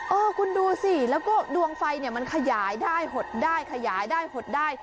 เออคุณดูสิแล้วก็ดวงไฟเนี่ยมันขยายได้หดได้ขยายได้หดได้